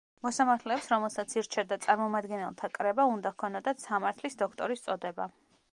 მოსამართლეებს რომელსაც ირჩევდა წარმომადგენელთა კრება უნდა ქონოდათ სამართლის დოქტორის წოდება.